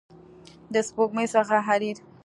د سپوږمۍ څخه حریر